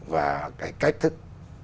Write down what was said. và cái cách thức